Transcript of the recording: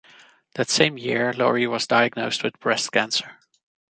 That same year, Lorie was diagnosed with breast cancer.